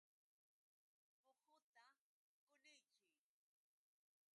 Muhuta qunichiy.